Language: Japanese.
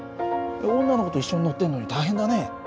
女の子と一緒に乗ってるのに大変だね。